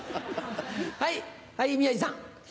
はい宮治さん。